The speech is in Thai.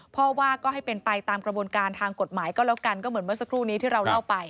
ว่าก็ให้เป็นไปตามกระบวนการทางกฎหมายก็แล้วกันก็เหมือนเมื่อสักครู่นี้ที่เราเล่าไป